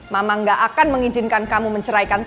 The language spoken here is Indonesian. mama gak akan mengizinkan kamu menceraikan